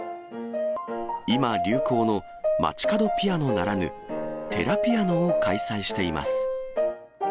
今流行の街角ピアノならぬ、寺ピアノを開催しています。